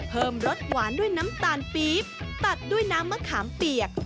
รสหวานด้วยน้ำตาลปี๊บตัดด้วยน้ำมะขามเปียก